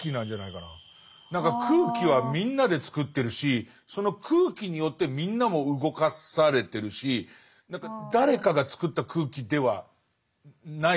何か空気はみんなで作ってるしその空気によってみんなも動かされてるし何か誰かが作った空気ではないような気がするんですよ。